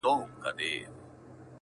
o خر پر لار که، خپله چار که!